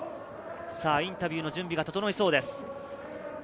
インタビューの準備が整いそうです。